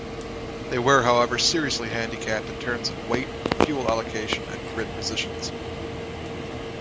They were however seriously handicapped in terms of weight, fuel allocation and grid positions.